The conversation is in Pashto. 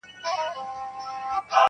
نه په ژوند کي د مرغانو غوښی خومه-